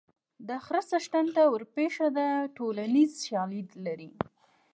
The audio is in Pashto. د خره څښتن ته ورپېښه ده ټولنیز شالید لري